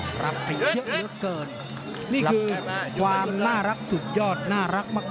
ซ่อนนี่คือความน่ารักสุดยอดน่ารักมาก